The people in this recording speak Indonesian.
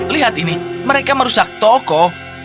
lihat ini mereka merusak toko